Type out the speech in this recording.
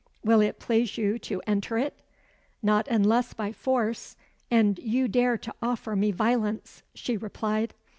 Will it please you to enter it?" "Not unless by force and you dare to offer me violence," she replied.